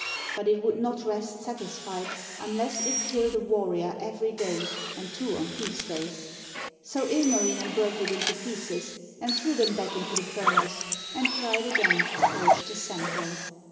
But it would not rest satisfied unless it killed a warrior every day, and two on feast days. So Ilmarinen broke it into pieces and threw them back into the furnace, and tried again to forge the Sampo.